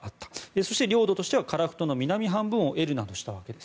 そして、領土としては樺太の南半分を得るなどしたわけです。